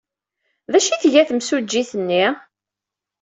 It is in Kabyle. D acu ay tga temsujjit-nni?